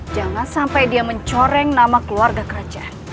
jangan sampai dia mencoreng nama keluarga kerajaan